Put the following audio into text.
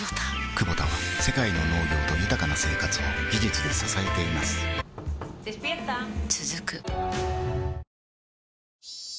クボタは世界の農業と豊かな生活を技術で支えています起きて。